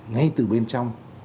ngay từ bên trong